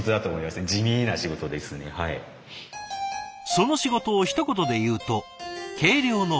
その仕事をひと言でいうと「計量の番人」。